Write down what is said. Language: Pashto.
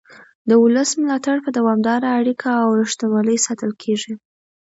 د ولس ملاتړ په دوامداره اړیکه او رښتینولۍ ساتل کېږي